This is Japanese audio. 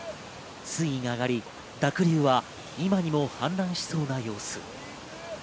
水位が上がり濁流は今にも氾濫しそうな様子。